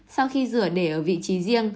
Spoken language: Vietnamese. sau khi rửa để ở vị trí riêng